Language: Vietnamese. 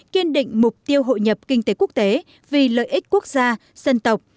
kiên định mục tiêu hội nhập kinh tế quốc tế vì lợi ích quốc gia dân tộc